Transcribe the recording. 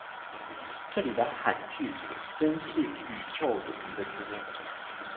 這裡的罕句真是宇宙級的多